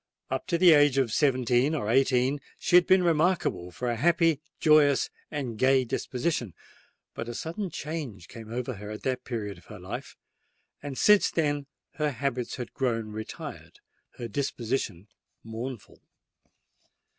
Up to the age of seventeen or eighteen she had been remarkable for a happy, joyous, and gay disposition: but a sudden change came over her at that period of her life; and since then her habits had grown retired—her disposition mournful.